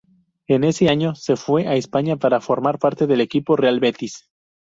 En ese año se fue a España para formar parte del equipo Real Betis.